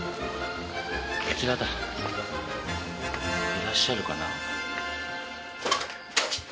いらっしゃるかな。